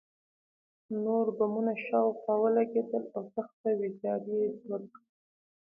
نور بمونه شاوخوا ولګېدل او سخته ویجاړي یې جوړه کړه